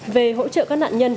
về hỗ trợ các nạn nhân